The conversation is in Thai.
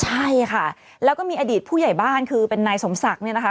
ใช่ค่ะแล้วก็มีอดีตผู้ใหญ่บ้านคือเป็นนายสมศักดิ์เนี่ยนะคะ